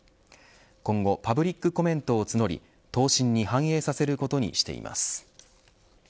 今後、パブリックコメントを募り答申に反映させることにしています。